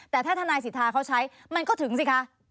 แต่ถ้าทนายสิทธาเขาใช้มันก็ถึงสิคะ